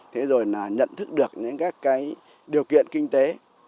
thế rồi là nhận thức được những các cái điều kiện kinh tế